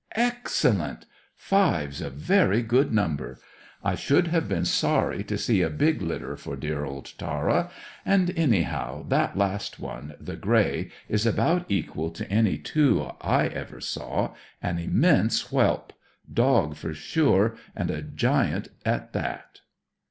Excellent! Five's a very good number. I should have been sorry to see a big litter, for dear old Tara. And, anyhow, that last one, the grey, is about equal to any two I ever saw; an immense whelp; dog for sure, and a giant at that."